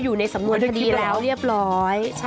อยู่ในสำนวนคดีแล้วเรียบร้อย